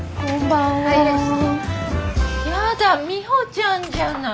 やだミホちゃんじゃない。